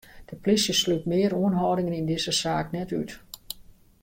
De polysje slút mear oanhâldingen yn dizze saak net út.